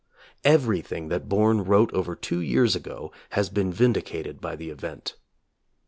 Everything that Bourne wrote over two years ago has been vindi cated by the event.